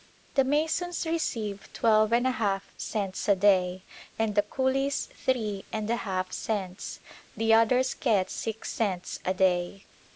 The masons receive twelve and a half cents a day and the coolies three and a half cents, the others get six cents a day.